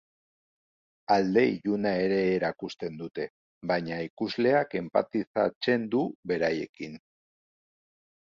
Alde iluna ere erakusten dute, baina ikusleak enpatizatzen du beraiekin.